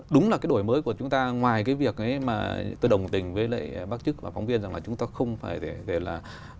đúng là cái đổi mới của chúng ta ngoài cái việc ấy mà tôi đồng tình với lại bác chức và phóng viên rằng là chúng ta không phải là